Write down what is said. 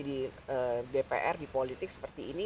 di dpr di politik seperti ini